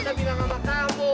tidak tidak tidak